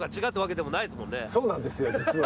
そうなんですよ実は。